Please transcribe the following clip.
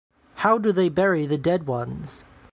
How do they bury the dead ones!